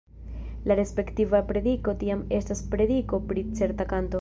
La respektiva prediko tiam estas prediko pri certa kanto.